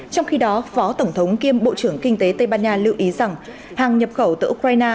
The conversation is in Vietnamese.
trong khi đó phó tổng thống kiêm bộ trưởng kinh tế tây ban nha lưu ý rằng hàng nhập khẩu từ ukraine